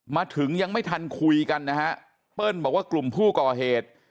มาถึงยังไม่ทันคุยกันนะฮะเปิ้ลบอกว่ากลุ่มผู้ก่อเหตุ